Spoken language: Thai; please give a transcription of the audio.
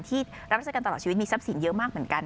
ที่รับราชการตลอดชีวิตมีทรัพย์สินเยอะมากเหมือนกัน